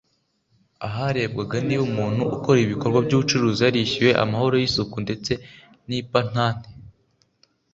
aharebwaga niba umuntu ukora ibikorwa by’ ubucuruzi yarishyuye amahoro y’ isuku ndetse n’ipantante